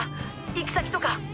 行き先とか。